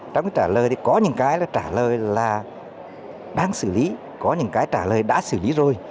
trong cái trả lời thì có những cái là trả lời là đang xử lý có những cái trả lời đã xử lý rồi